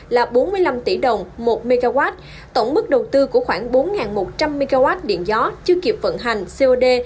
là bốn mươi năm tỷ đồng một mw tổng mức đầu tư của khoảng bốn một trăm linh mw điện gió chưa kịp vận hành cod